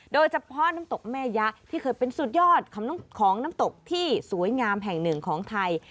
โดยเฉพาะน้ำตกแม่ยะที่เคยเป็นสุดยอดของน้ำตกที่สวยงามแห่งหนึ่งของไทย